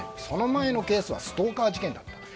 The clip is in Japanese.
その前のケースはストーカー事件だった。